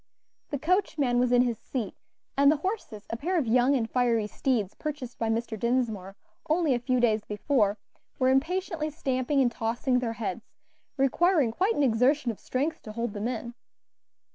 The coachman was in his seat, and the horses, a pair of young and fiery steeds purchased by Mr. Dinsmore only a few days before, were impatiently stamping and tossing their heads, requiring quite an exertion of strength to hold them in.